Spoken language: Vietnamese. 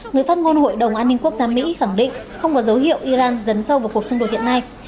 người phát ngôn hội đồng an ninh quốc gia mỹ khẳng định không có dấu hiệu iran dấn sâu vào cuộc xung đột hiện nay